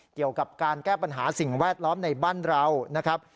เกี่ยวกับการแก้ปัญหาสิ่งแวดล้อมในบ้านเรานะครับ